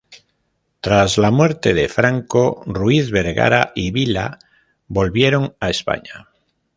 Tras la muerte de Franco, Ruiz Vergara y Vila volvieron a España.